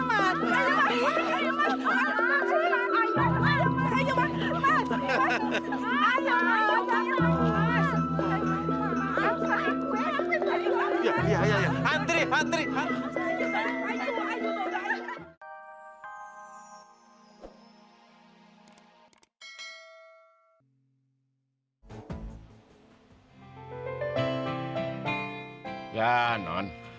kalau jalannya pelan begini menulu kapan sampai rumenya